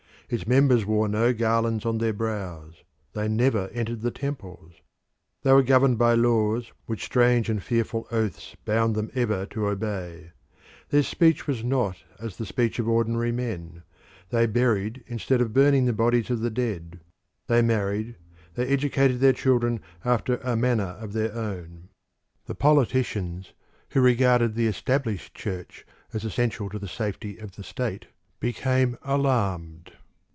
Its members wore no garlands on their brows; they never entered the temples; they were governed by laws which strange and fearful oaths bound them ever to obey; their speech was not as the speech of ordinary men; they buried instead of burning the bodies of the dead; they married, they educated their children after a manner of their own. The politicians who regarded the established Church as essential to the safety of the state became alarmed.